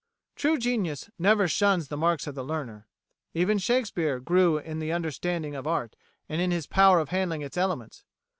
True genius never shuns the marks of the learner. Even Shakespeare grew in the understanding of art and in his power of handling its elements.